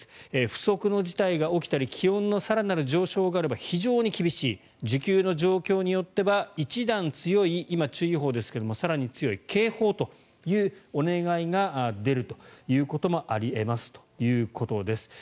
不測の事態が起きたり気温の更なる上昇があれば非常に厳しい需給の状況によっては、一段強い今、注意報ですが更に強い警報というお願いが出るということもあり得ますということです。